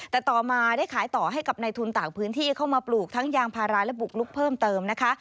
แต่ต่อมาได้ขายต่อให้กับในทุนต่างพื้นที่เข้ามาปลูกทั้งยางพาราและบุกลุกเพิ่มเติมนะคะ